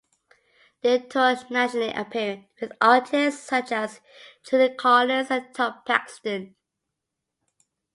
They toured nationally, appearing with artists such as Judy Collins and Tom Paxton.